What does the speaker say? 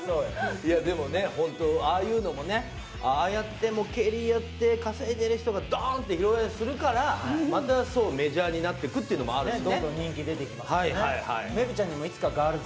本当にそこから何も入っああいうのもね、ああやって競輪をやって稼いでいる人がドンって披露宴するから、またメジャーになっていくっていうのもあるよね。